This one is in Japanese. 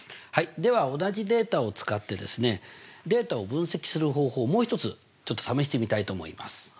はいでは同じデータを使ってですねデータを分析する方法をもう一つちょっと試してみたいと思います。